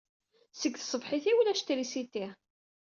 Seg tṣebḥit ay ulac trisiti.